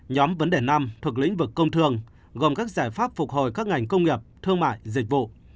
nhóm vấn đề năm thuộc lĩnh vực công thương gồm các giải pháp phục hồi các ngành công nghiệp thương mại dịch vụ